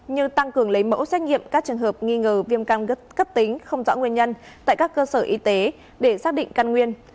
như tăng cường lấy mẫu xét nghiệm các trường hợp nghi ngờ viêm cam gấp cấp tính không rõ nguyên nhân tại các cơ sở y tế để xác định căn nguyên